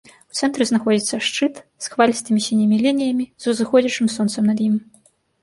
У цэнтры знаходзіцца шчыт з хвалістымі сінімі лініямі, з узыходзячым сонцам над ім.